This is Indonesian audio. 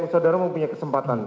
saudara mau punya kesempatan